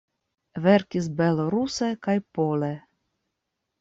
Verkis beloruse kaj pole.